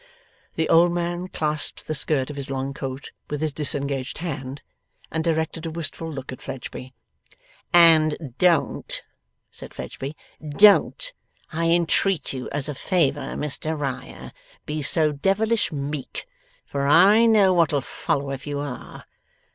The old man clasped the skirt of his long coat with his disengaged hand, and directed a wistful look at Fledgeby. 'And don't,' said Fledgeby, 'don't, I entreat you as a favour, Mr Riah, be so devilish meek, for I know what'll follow if you are.